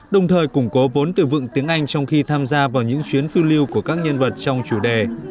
đồng thời củng cố vốn từ vựng tiếng anh trong khi tham gia vào những chuyến phiêu lưu của các nhân vật trong chủ đề